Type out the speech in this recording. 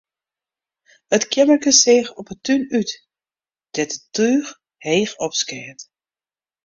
It keammerke seach op 'e tún út, dêr't it túch heech opskeat.